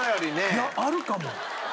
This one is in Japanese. いやあるかも。